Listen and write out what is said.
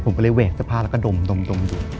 ผมก็เลยแหวกเสื้อผ้าแล้วก็ดมดู